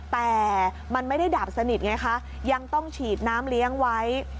แต่มันไม่ได้ดับสนิทไงคะยังต้องฉีดน้ำเลี้ยงไว้